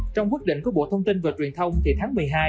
trong quyết định của bộ thông tin và truyền thông thì tháng một mươi hai